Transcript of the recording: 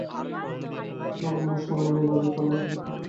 তোমার তো সময় নেই দাদা, তাঁরও তো সময় কম।